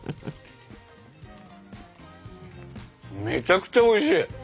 めちゃくちゃおいしい！